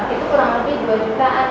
itu kurang lebih dua jutaan